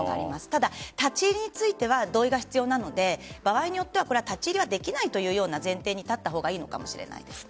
ただ、立ち入りについては同意が必要なので場合によっては立ち入りはできないというような前提に立った方がいいのかもしれないです。